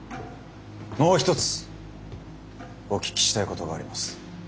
もう一つお聞きしたいことがあります。